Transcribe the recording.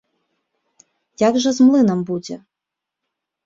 Як жа з млынам будзе?